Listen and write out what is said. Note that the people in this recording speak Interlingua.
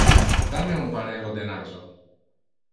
Da me un pannello de naso.